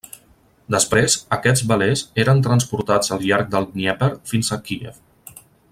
Després, aquests velers eren transportats al llarg del Dnièper fins a Kíev.